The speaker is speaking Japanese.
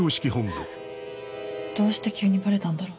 どうして急にバレたんだろう。